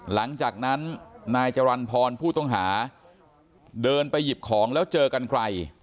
หลังจากนั้นนายจรรย์พรผู้ต้องหาเดินไปหยิบของแล้วเจอกันไกล